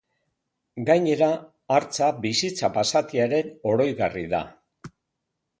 Gainera, hartza bizitza basatiaren oroigarri da.